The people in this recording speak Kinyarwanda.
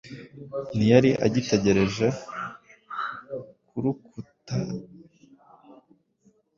Ntiyari agitegereje kurukutaahubwo arigendera